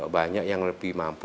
banyak yang lebih mampu